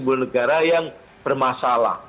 simbol negara yang bermasalah